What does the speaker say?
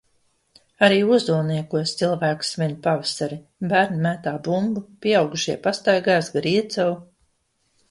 Arī Ozolniekos cilvēki svin pavasari – bērni mētā bumbu, pieaugušie pastaigājas gar Iecavu.